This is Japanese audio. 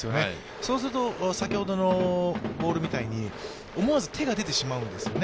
そうすると、先ほどのボールみたいに思わず手が出てしまうんですよね。